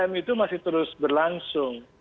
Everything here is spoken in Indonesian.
tiga m itu masih terus berlangsung